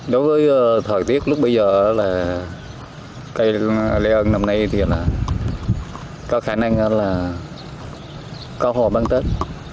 đối với thời tiết lúc bây giờ là cây lây ơn năm nay thì có khả năng là có hồ băng tết